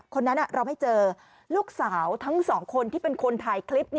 คนนั้นเราไม่เจอลูกสาวทั้งสองคนที่เป็นคนถ่ายคลิป